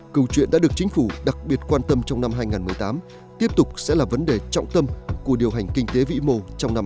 câu chuyện đã được chính phủ đặc biệt quan tâm trong năm hai nghìn một mươi tám tiếp tục sẽ là vấn đề trọng tâm của điều hành kinh tế vĩ mô trong năm hai nghìn một mươi chín